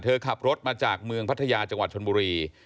ขับรถมาจากเมืองพัทยาจังหวัดชนบุรี